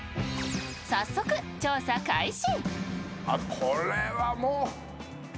早速調査開始。